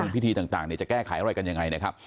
พิธีต่างจะแก้ไขอะไรกันยังไงนะครับ